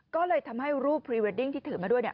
ก็เลยทำให้รูปพรีเวดดิ้งที่ถือมาด้วยเนี่ย